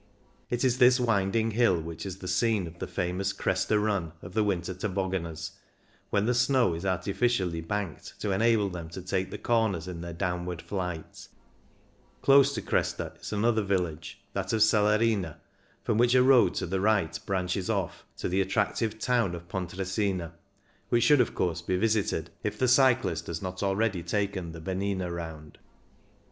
It is this winding hill which is the scene of the famous "Cresta run" of the winter tobogganers, when the snow is artificially banked to enable them to take the corners in their downward flight Close to Cresta is an other village, that of Celerina, from which a road to the right branches off to the at tractive town of Pontresina, which should of course be visited if the cyclist has not already taken the Bemina round.